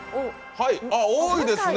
あっ多いですね！